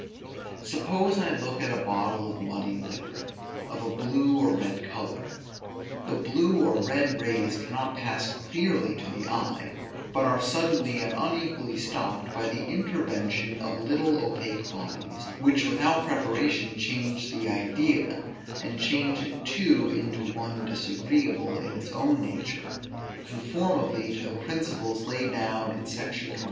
Suppose I look at a bottle of muddy liquor, of a blue or red color; the blue or red rays cannot pass clearly to the eye, but are suddenly and unequally stopped by the intervention of little opaque bodies, which without preparation change the idea, and change it too into one disagreeable in its own nature, conformably to the principles laid down in Sect. 24.